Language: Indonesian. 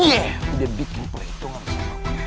iya udah bikin perhitungan sih lu